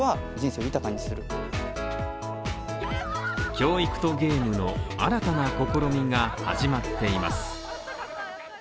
教育とゲームの新たな試みが始まっています。